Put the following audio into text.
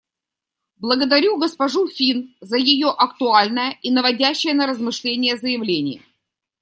Благодарю госпожу Фин за ее актуальное и наводящее на размышления заявление.